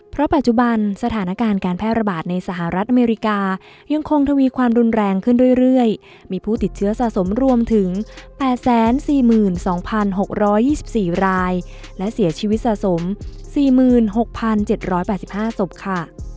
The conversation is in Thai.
เพราะปัจจุบันสถานการณ์การแพร่ระบาดในสหรัฐอเมริกายังคงทวีความรุนแรงขึ้นเรื่อยมีผู้ติดเชื้อสะสมรวมถึง๘๔๒๖๒๔รายและเสียชีวิตสะสม๔๖๗๘๕ศพค่ะ